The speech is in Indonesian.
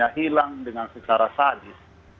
ya hilang dengan secara sadis